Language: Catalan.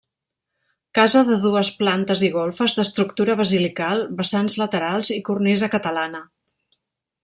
Casa de dues plantes i golfes d’estructura basilical, vessants laterals i cornisa catalana.